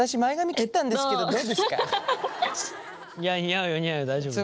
似合うよ似合うよ大丈夫だよ。